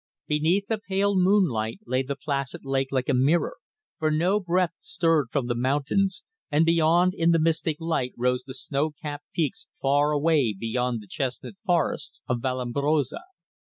Beneath the pale moonlight lay the placid lake like a mirror, for no breath stirred from the mountains, and beyond in the mystic light rose the snow capped peaks far away beyond the chestnut forests of Vallombrosa.